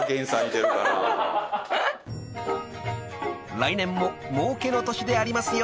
［来年ももうけの年でありますように］